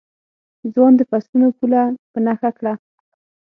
ځوان د فصلونو پوله په نښه کړه.